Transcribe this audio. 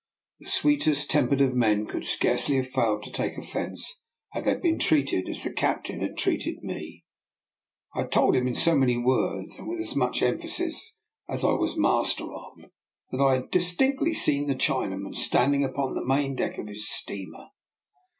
The sweetest tempered of men could scarcely have failed to take oflfence had they been treated as the captain had treated me. I had told him in so many words, and with as much emphasis as I was master of, that I had dis tinctly seen the Chinaman standing upon the main deck of his steamer.